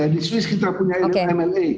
di swiss kita punya mla